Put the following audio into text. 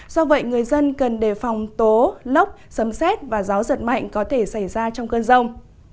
do vậy người dân cần đề phòng tố lốc sấm xét và gió giật mạnh có thể xảy ra trong cơn rông